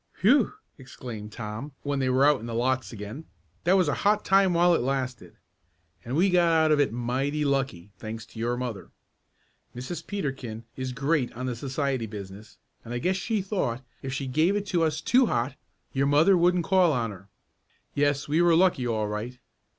"Whew!" exclaimed Tom, when they were out in the lots again. "That was a hot time while it lasted. And we got out of it mighty lucky, thanks to your mother. Mrs. Peterkin is great on the society business, and I guess she thought if she gave it to us too hot your mother wouldn't call on her. Yes, we were lucky all right.